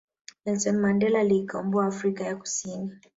Nelson Mandela aliikomboa afrika ya kusini